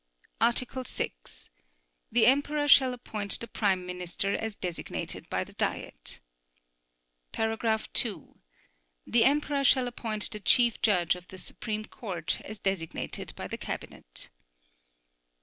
Article 6. The Emperor shall appoint the Prime Minister as designated by the Diet. (2) The Emperor shall appoint the Chief Judge of the Supreme Court as designated by the Cabinet.